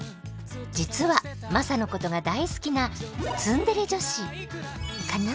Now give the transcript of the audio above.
実はマサのことが大好きなツンデレ女子カナ？